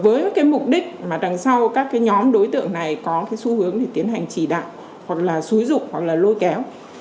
với mục đích đằng sau các nhóm đối tượng này có xu hướng để tiến hành trì đạo hoặc là xúi dụng hoặc là lôi kéo